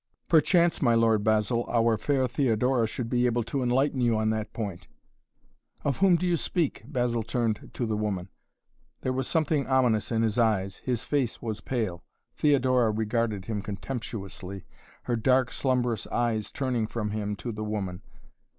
"Perchance, my Lord Basil, our fair Theodora should be able to enlighten you on that point " "Of whom do you speak?" Basil turned to the woman. There was something ominous in his eyes. His face was pale. Theodora regarded him contemptuously, her dark slumbrous eyes turning from him to the woman.